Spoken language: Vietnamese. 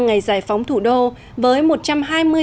ngày giải phóng thủ đô với một trăm hai mươi